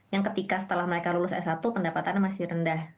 yang ketika setelah mereka lulus s satu pendapatannya masih rendah